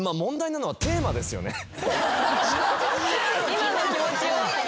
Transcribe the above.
今の気持ちを。